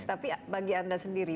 tapi bagi anda sendiri